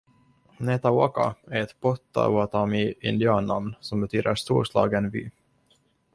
Netawaka är ett Pottawatami-indiannamn som betyder ”storslagen vy”.